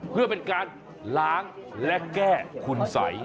เพื่อเป็นการล้างและแก้คุณสัย